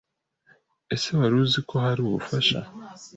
Ese wari uzi ko hari ubufasha